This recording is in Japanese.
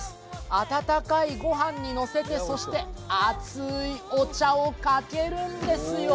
温かいご飯にのせて、熱いお茶をかけるんですよ。